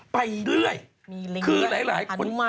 ไปเรื่อย